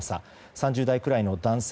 ３０代くらいの男性